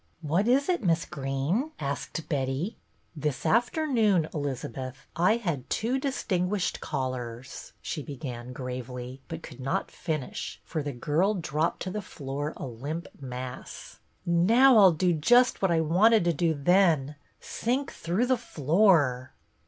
" What is it, Miss Greene ?" asked Betty. " This afternoon, Elizabeth, I had two distinguished callers — "she began gravely, but could not finish, for the girl dropped to the floor a limp mass. " Now I 'll do just what I wanted to do then, — sink through the floor."